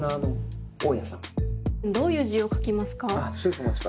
どういう字を書きますか？